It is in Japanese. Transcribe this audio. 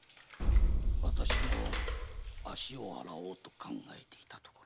私も足を洗おうと考えていたところです。